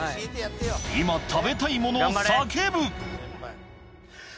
今、食べたいものを叫ぶ。